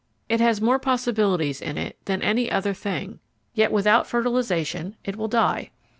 It has more possibilities in it than any other thing, yet without fertilisation it will die.